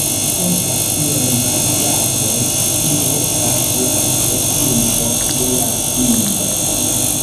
Estas iom malklare, kiu estas la verkinto de la libro.